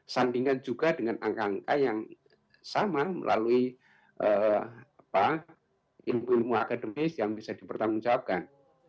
sandingan juga dengan angka angka yang sama melalui ilmu ilmu akademis yang bisa dipertanggungjawabkan